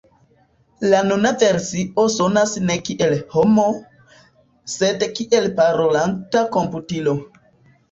La nuna versio sonas ne kiel homo, sed kiel parolanta komputilo.